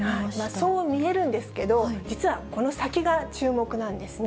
そう見えるんですけど、実はこの先が注目なんですね。